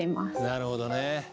なるほどね。